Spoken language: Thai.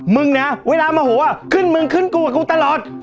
มึงนะเวลาโมโหขึ้นมึงขึ้นกูกับกูตลอด